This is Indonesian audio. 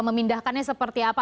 memindahkannya seperti apa